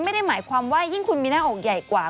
ไม่ได้หมายความว่ายิ่งคุณมีหน้าอกใหญ่กว่า